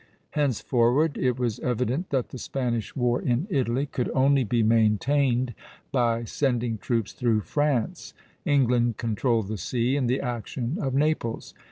Henceforward it was evident that the Spanish war in Italy could only be maintained by sending troops through France; England controlled the sea and the action of Naples.